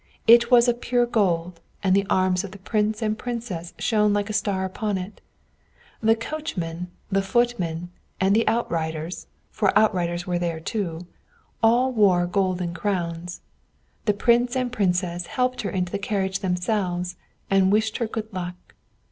It was of pure gold, and the arms of the Prince and Princess shone like a star upon it; the coachman, the footmen, and the outriders, for outriders were there too, all wore golden crowns. The Prince and Princess helped her into the carriage themselves, and wished her good luck.